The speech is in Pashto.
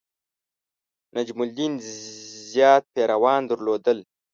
نجم الدین زیات پیروان درلودل.